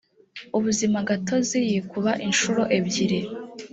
ubuzimagatozi yikuba inshuro ebyiri